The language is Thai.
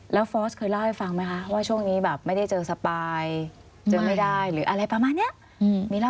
แล้วฟอร์สเคยเล่าให้ฟังไหมคะว่าช่วงนี้แบบไม่ได้เจอสปายเจอไม่ได้หรืออะไรประมาณนี้